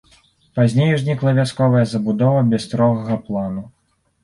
Пазней узнікла вясковая забудова без строгага плану.